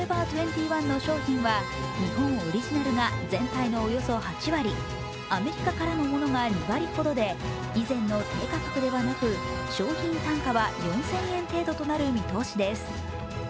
２１の商品は日本オリジナルが全体のおよそ８割、アメリカからのものが２割ほどで以前の低価格ではなく商品単価は４０００円程度となる見通しです。